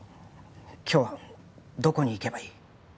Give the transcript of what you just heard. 今日はどこに行けばいい？